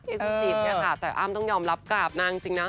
เออแต่อ้ามต้องยอมรับกราบน่าจริงนะ